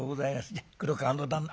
じゃ黒川の旦那」。